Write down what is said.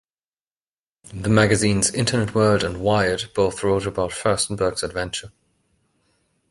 The magazines "Internet World" and "Wired" both wrote about Firstenberg's adventure.